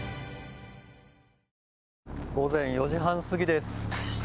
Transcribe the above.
午前４時半過ぎです。